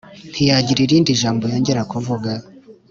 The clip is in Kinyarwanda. Ntiyagira irindi ijambo yongera kuvuga